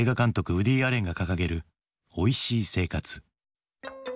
ウディ・アレンが掲げる「おいしい生活」。